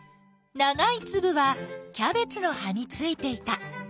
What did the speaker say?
ながいつぶはキャベツの葉についていた。